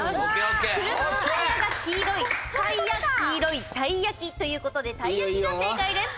車のタイヤが黄色いタイヤ黄色いタイヤ黄ということでたい焼きが正解です。